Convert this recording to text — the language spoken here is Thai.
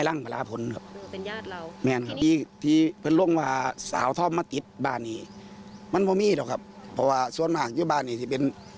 กระดูกในเมนนี่มันกระดูกใครกันแน่